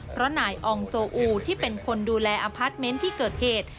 เพราะนายอองโซอูที่เป็นคนดูแลอพาร์ทเมนต์ที่เกิดเหตุ